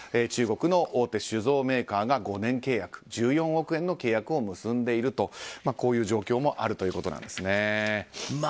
中国の大手酒造メーカーが５年契約１４億円の契約を結んでいるとこういう状況もあるということなんです。